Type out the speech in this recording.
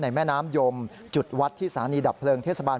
แม่น้ำยมจุดวัดที่สถานีดับเพลิงเทศบาล